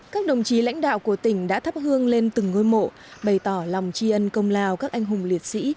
các đồng chí lãnh đạo của tỉnh đã thắp hương lên từng ngôi mộ bày tỏ lòng tri ân công lao các anh hùng liệt sĩ